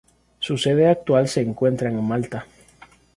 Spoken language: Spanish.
Su sede actual se encuentra en Malta.